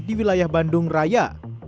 di wilayah bandung raya